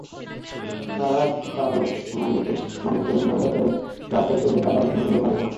তারা চালক মানিককে মারধর করে রাস্তায় ফেলে কাভার্ড ভ্যানটি নিয়ে পালিয়ে যায়।